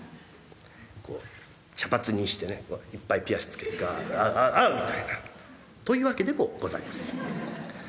こう茶髪にしてねいっぱいピアスつけて「おうおうおう」みたいな。というわけでもございません。